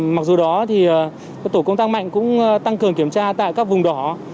mặc dù đó thì tổ công tác mạnh cũng tăng cường kiểm tra tại các vùng đỏ